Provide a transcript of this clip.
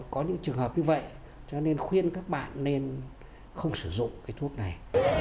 có những trường hợp như vậy cho nên khuyên các bạn nên không sử dụng cái thuốc này